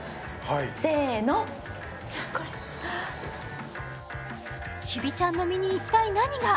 せーの日比ちゃんの身に一体何が？